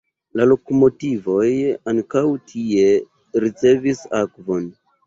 La lokomotivoj ankaŭ tie ricevis akvon.